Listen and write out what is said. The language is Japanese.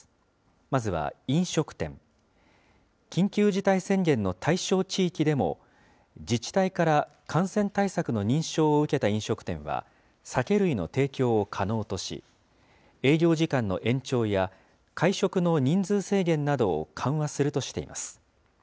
まずは飲食店、緊急事態宣言の対象地域でも、自治体から感染対策の認証を受けた飲食店は、酒類の提供を可能とし、営業時間の延長や、会食の人数制限などを緩和するとしています。